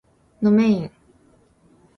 どめいん